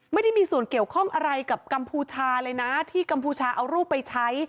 ไม่ได้มีส่วนเกี่ยวข้องอะไรกับกัมพูชาเลยนะที่กัมพูชาเอารูปไปใช้